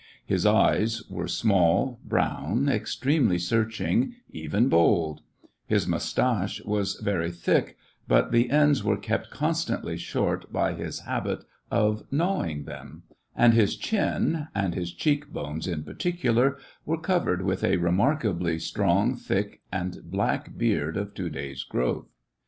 His eyes were small, brown, extremely searching, even bold ; his moustache was very thick, but the ends were kept constantly short by his habit of gnawing them ; and his chin, and his cheek bones in particular were covered with a remarkably strong, thick, and black beard, of two days' growth.